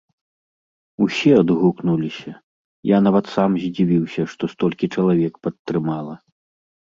Усе адгукнуліся, я нават сам здзівіўся, што столькі чалавек падтрымала.